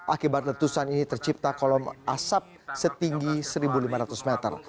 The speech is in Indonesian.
akibat letusan ini tercipta kolom asap setinggi satu lima ratus meter